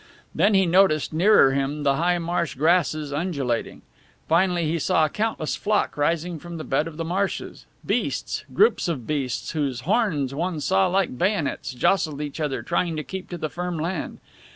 And then he noticed, nearer him, the high marsh grasses undulating. Finally he saw a countless flock rising from the bed of the marshes. Beasts, groups of beasts, whose horns one saw like bayonets, jostled each other trying to keep to the firm land.